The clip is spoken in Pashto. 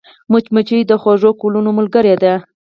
مچمچۍ د خوږو ګلونو ملګرې ده